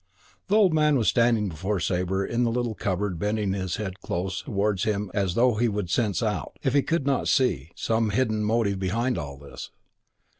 The old man was standing before Sabre in the little cupboard bending his head close towards him as though he would sense out, if he could not see, some hidden motive behind all this.